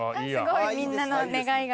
すごいみんなの願いが。